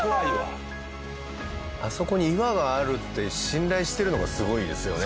あそこに岩があるって信頼してるのがすごいですよね。